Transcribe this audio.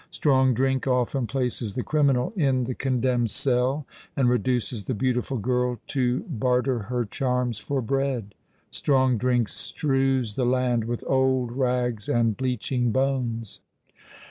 Strong drink often places the criminal in the condemned cell, and reduces the beautiful girl to barter her charms for bread. Strong drink strews the land with old rags and bleaching bones.